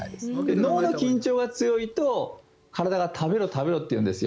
脳の緊張が強いと体が食べろ、食べろって言うんですよ。